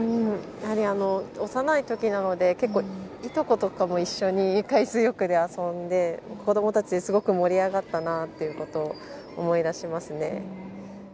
幼いときなので結構、いとことかも一緒に海水浴で遊んで、子供たちすごく盛り上がったなっていうことを思い出しますね。